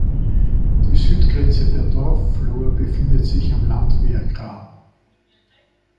Die Südgrenze der Dorfflur befindet sich am Landwehrgraben.